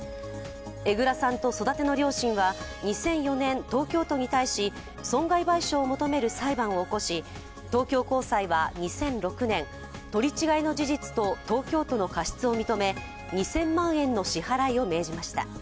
江藏さんと育ての両親は２００４年、東京都に対し損害賠償を求める裁判を起こし東京高裁は２００６年、取り違えの事実と東京との過失を認め２０００万円の支払いを命じました。